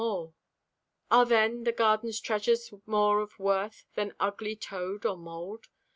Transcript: Are then the garden's treasures more of worth Than ugly toad or mold?